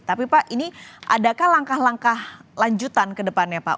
tapi pak ini adakah langkah langkah lanjutan ke depannya pak